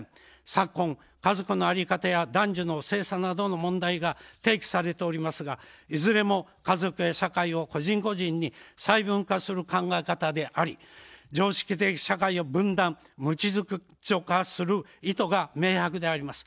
昨今、家族の在り方や男女の性差などの問題が提起されておりますがいずれも家族や社会を個人個人に細分化する考え方であり常識的社会を分断、無秩序化する意図が明白であります。